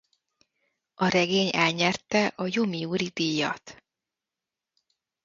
A regény elnyerte a Yomiuri-díjat.